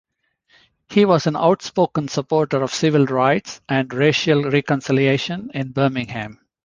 He was an outspoken supporter of civil rights and racial reconciliation in Birmingham.